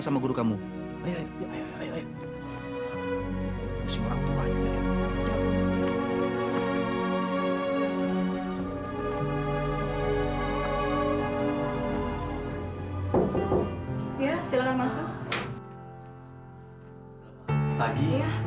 sela masuk kamar masuk